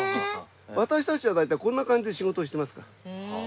私たちは大体こんな感じで仕事してますから。